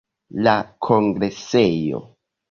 La kongresejo.